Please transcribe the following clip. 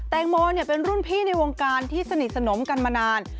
แตงโมเป็นรุ่นพี่ในวงการที่สนิทสนมกันมานาน